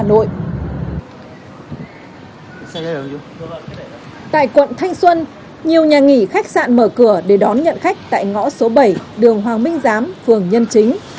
tại quận thanh xuân nhiều nhà nghỉ khách sạn mở cửa để đón nhận khách tại ngõ số bảy đường hoàng minh giám phường nhân chính